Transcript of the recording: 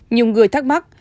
nhiều người thắc mắc